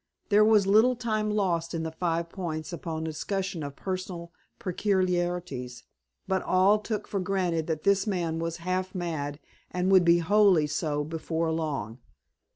There was little time lost in the Five Points upon discussion of personal peculiarities, but all took for granted that this man was half mad and would be wholly so before long.